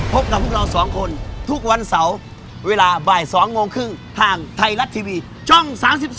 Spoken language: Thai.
พบกับพวกเรา๒คนทุกวันเสาร์เวลาบ่าย๒โมงครึ่งทางไทยรัฐทีวีช่อง๓๒